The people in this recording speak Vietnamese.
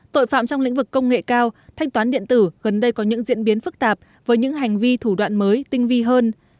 tội phạm trong lĩnh vực công nghệ cao thanh toán điện tử gần đây có những diễn biến phức tạp với những hành vi thủ đoạn mới tinh vi hơn